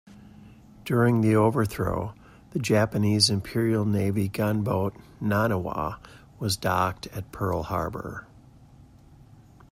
During the overthrow, the Japanese Imperial Navy gunboat "Naniwa" was docked at Pearl Harbor.